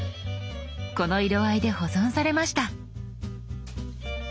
この色合いで保存されました。